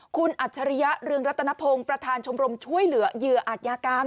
คุณอัจฉริยะเรืองรัตนพงศ์ประธานชมรมช่วยเหลือเหยื่ออาจยากรรม